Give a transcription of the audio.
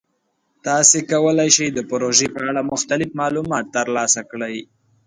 تاسو کولی شئ د پروژې په اړه مختلف معلومات ترلاسه کړئ.